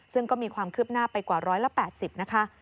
ซึ่งก็มีความคืบหน้าไปกว่า๑๘๐นะคะ